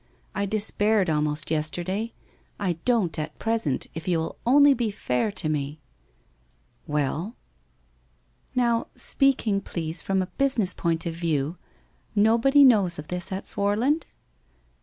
I despaired, almost, yesterday. I don't at present, if you will only be fair to me ', 'Well?' ' Now, speaking, please, from a business point of view — nobody knows of this at Swarland